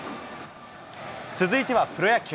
続いてはプロ野球。